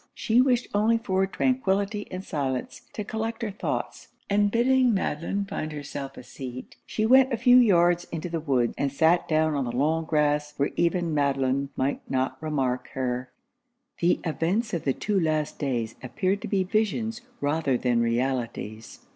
She wished only for tranquillity and silence, to collect her thoughts; and bidding Madelon find herself a seat, she went a few yards into the wood, and sat down on the long grass, where even Madelon might not remark her. The events of the two last days appeared to be visions rather than realities.